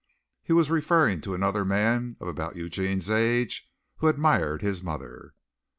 He was referring to another man of about Eugene's age who admired his mother.